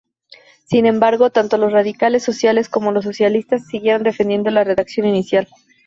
Sin embargo, tanto los radical-socialistas como los socialistas siguieron defendiendo la redacción inicial.